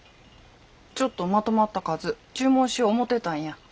ちょっとまとまった数注文しよ思てたんや。